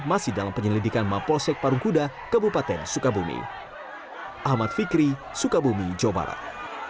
masih dalam penyelidikan mapolsek parungkuda kabupaten sukabumi ahmad fikri sukabumi jawa barat